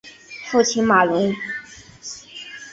父亲马荣。